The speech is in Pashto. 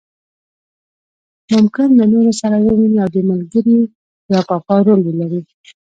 ممکن له نورو سره وویني او د ملګري یا کاکا رول ولري.